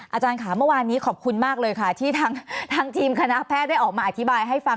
อาจารย์ค่ะเมื่อวานนี้ขอบคุณมากเลยค่ะที่ทางทีมคณะแพทย์ได้ออกมาอธิบายให้ฟัง